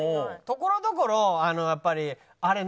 ところどころやっぱりあれ？